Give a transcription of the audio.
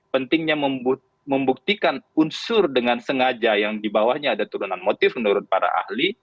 pentingnya membuktikan unsur dengan sengaja yang di bawahnya ada turunan motif menurut para ahli